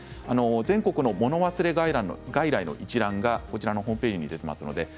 全国のもの忘れ外来の一覧がホームページに出ています。